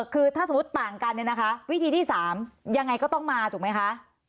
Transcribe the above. คือถ้าสมมุติต่างกันเนี่ยนะคะวิธีที่๓ยังไงก็ต้องมาถูกไหมคะ